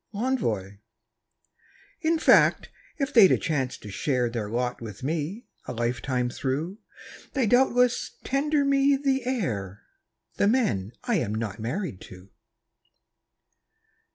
L'ENVOI In fact, if they'd a chance to share Their lot with me, a lifetime through, They'd doubtless tender me the air The men I am not married to.